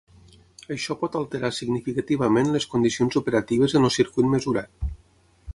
Això pot alterar significativament les condicions operatives en el circuit mesurat.